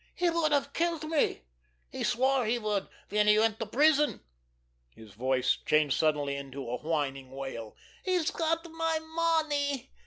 He would have killed me. He swore he would when he went to prison." His voice changed suddenly into a whining wail. "He's got my money!